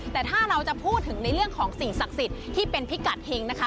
แต่ถ้าเราจะพูดถึงในเรื่องของสิ่งศักดิ์สิทธิ์ที่เป็นพิกัดเฮงนะคะ